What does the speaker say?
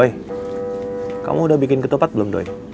doi kamu udah bikin ketupat belum doi